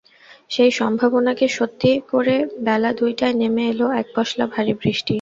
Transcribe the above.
সেই সম্ভাবনাকে সত্যি করে বেলা দুইটায় নেমে এল এক পশলা ভারী বৃষ্টি।